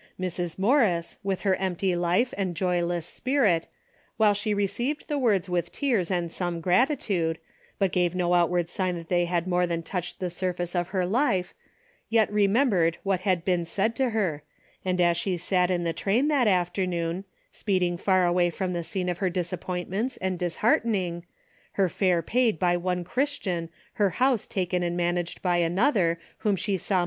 Mrs. Morris, with her empty life and joyless spirit, while she received the words with tears and some gratitude, but gave no outward sign that they had more than touched the surface of her life, yet remem bered what had been said to her, and as she sat in the train that afternoon, speeding far away from the scene of her disappointments and disheartening, her fare paid by one Chris tian, her house taken and managed by another whom she saw